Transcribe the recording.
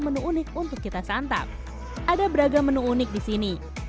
menu unik untuk kita santap ada beragam menu unik di sini